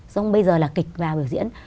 xong bây giờ là kịch vào biểu diễn